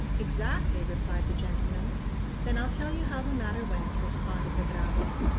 "Exactly," replied the gentleman. "Then I'll tell you how the matter went," responded the bravo.